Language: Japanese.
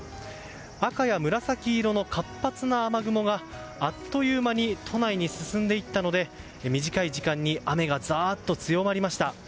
赤や紫色の活発な雨雲があっという間に都内に進んでいったので短い時間に雨がザーッと強まりました。